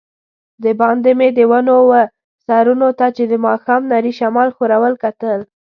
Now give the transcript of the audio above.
دباندې مې د ونو وه سرونو ته چي د ماښام نري شمال ښورول، کتل.